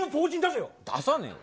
出さねえよ。